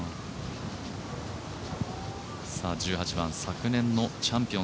１８番、昨年のチャンピオン。